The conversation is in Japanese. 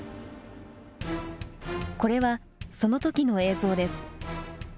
これはその時の映像です。